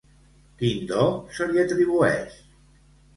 Quin do se li atribueix?